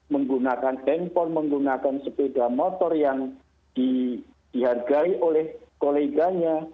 menggunakan handphone menggunakan sepeda motor yang dihargai oleh koleganya